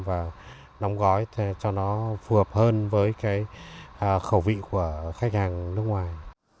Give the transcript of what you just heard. và nóng gói cho nó phù hợp hơn với khẩu vị của khách hàng nước ngoài